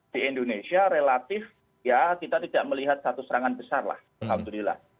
di indonesia relatif ya kita tidak melihat satu serangan besar lah alhamdulillah